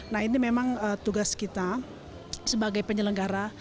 nah ini memang tugas kita sebagai penyelenggara